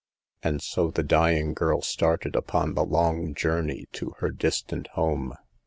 And so the dying girl started uppn the long journey to her distant home.